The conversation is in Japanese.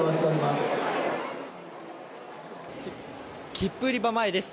切符売り場前です。